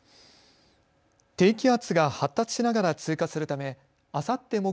低気圧が発達しながら通過するためあさって